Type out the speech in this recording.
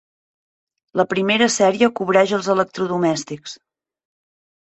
La primera sèrie cobreix els electrodomèstics.